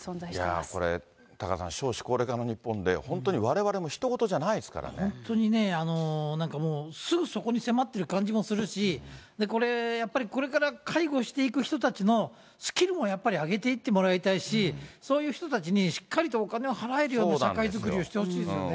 いや、これ、タカさん、少子高齢化の日本で、本当にわれわれもひと事じゃない本当にね、なんかもう、すぐそこに迫ってる感じもするし、これやっぱり、これから介護していく人たちのスキルもやっぱり上げていってもらいたいし、そういう人たちにしっかりとお金を払えるような社会作りをしてほしいですよね。